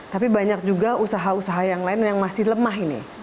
tapi banyak juga usaha usaha yang lain yang masih lemah ini